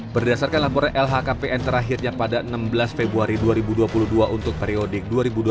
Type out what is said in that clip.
berdasarkan laporan lhkpn terakhirnya pada enam belas februari dua ribu dua puluh dua untuk periodik dua ribu dua puluh